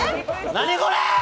何これ！